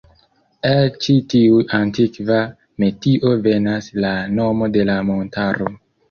El ĉi tiu antikva metio venas la nomo de la montaro.